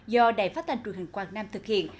do đài phát thanh truyền hình quảng nam thực hiện